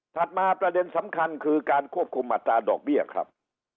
มาประเด็นสำคัญคือการควบคุมอัตราดอกเบี้ยครับ